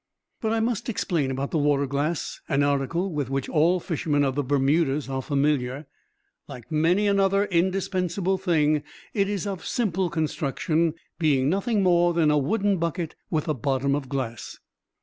But I must explain about the water glass, an article with which all fishermen of the Bermudas are familiar. Like many another indispensable thing, it is of simple construction, being nothing more than a wooden bucket with a bottom of glass.